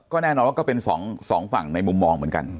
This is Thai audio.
แน่นอนว่าก็เป็นสองฝั่งในมุมมองเหมือนกัน